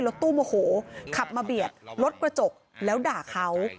ตู้โมโหขับมาเบียดรถกระจกแล้วด่าเขา